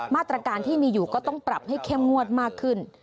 มาตรการที่มีอยู่ก็ต้องปรับให้เข้มงวดมากขึ้น